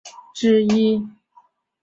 海宁是良渚文化发源地之一。